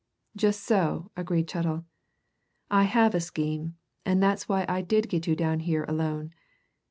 "Just so," agreed Chettle. "I have a scheme and that's why I did get you down here alone.